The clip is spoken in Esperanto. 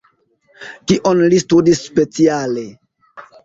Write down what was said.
Kion li studis speciale?